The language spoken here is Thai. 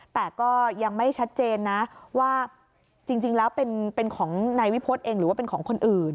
แต่ก็ยังไม่ชัดเจนนะว่าจริงแล้วเป็นของนายวิพฤษเองหรือว่าเป็นของคนอื่น